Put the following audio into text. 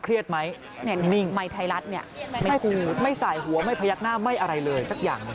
เครียดไหมนิ่งไม้ไทรรัตน์เนี่ยไม่หูไม่สายหัวไม่พยักหน้าไม่อะไรเลยจักอย่าง